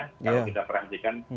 kalau kita perhatikan